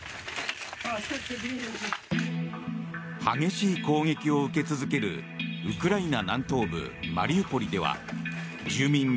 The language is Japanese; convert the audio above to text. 激しい攻撃を受け続けるウクライナ南東部マリウポリでは住民